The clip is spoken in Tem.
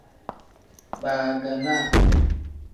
Baaganaa.